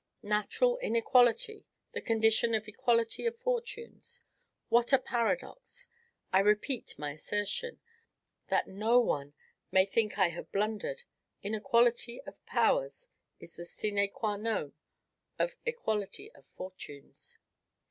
Natural inequality the condition of equality of fortunes!... What a paradox!... I repeat my assertion, that no one may think I have blundered inequality of powers is the sine qua non of equality of fortunes.